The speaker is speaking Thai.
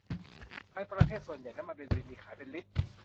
ในประเทศส่วนใหญ่น้ำมันเบนซินมีขายเป็นลิตร